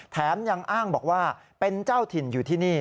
แถมยังอ้างบอกว่าเป็นเจ้าถิ่นอยู่ที่นี่